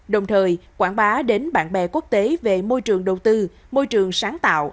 đồng thời quảng bá đến bạn bè quốc tế về môi trường đầu tư môi trường sáng tạo